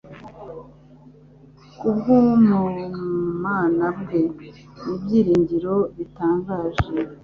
kubw'ubumana bwe. Ni ibyiringiro bitangaje!